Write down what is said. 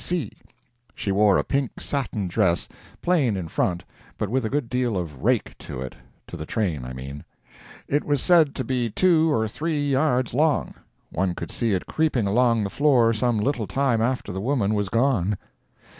C. She wore a pink satin dress, plain in front, but with a good deal of rake to it—to the train, I mean; it was said to be two or three yards long. One could see it creeping along the floor some little time after the woman was gone.